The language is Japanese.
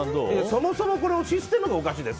そもそもシステムがおかしいんだよ。